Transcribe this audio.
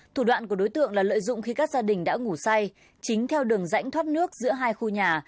thủ đoạn của đối tượng là lợi dụng khi các gia đình đã ngủ say chính theo đường rãnh thoát nước giữa hai khu nhà